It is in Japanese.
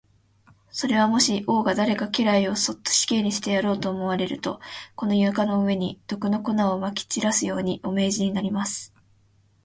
それは、もし王が誰か家来をそっと死刑にしてやろうと思われると、この床の上に、毒の粉をまき散らすように、お命じになります。